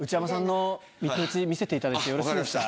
見せていただいてよろしいですか。